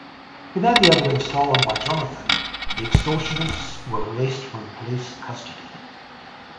Without the evidence stolen by Jonathan, the extortionists were released from police custody.